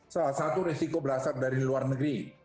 salah satu resiko berasal dari luar negeri